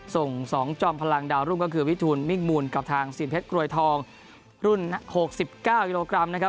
ส่ง๒จอมพลังดาวรุ่งก็คือวิทูลมิ่งมูลกับทางสินเพชรกรวยทองรุ่น๖๙กิโลกรัมนะครับ